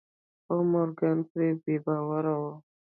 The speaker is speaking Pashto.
خو مورګان پرې بې باوره و.